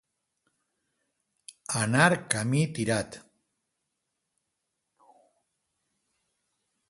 Anar camí tirat.